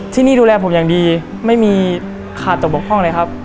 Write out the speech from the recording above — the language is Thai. ที่นี่ดูแลผมอย่างดีไม่มีขาดตกบกพ่องเลยครับ